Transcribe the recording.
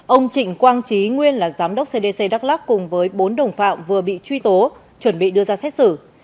ông trịnh quang trí nguyên là giám đốc cdc đắk lắc cùng với bốn đồng phạm vừa bị truy tố chuẩn bị đưa ra xét xử